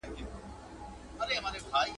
شپه په امېد سبا کېږي.